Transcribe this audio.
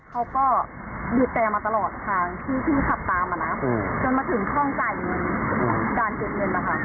เขาก็หยาดแตกมาตลอดทางที่ที่ขับตามานะอืมจนมาถึงช่องใจอืม